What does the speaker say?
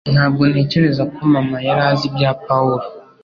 Ntabwo ntekereza ko mama yari azi ibya Pawulo.